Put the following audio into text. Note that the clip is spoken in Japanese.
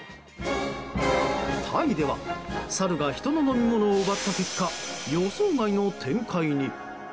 タイでは、サルが人の飲み物を奪った結果、予想外の展開に。